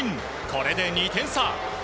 これで２点差。